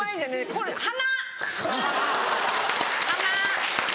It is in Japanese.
これ鼻。